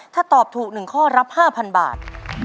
ถ้าตอบถูกหนึ่งข้อรับ๕๐๐๐บาท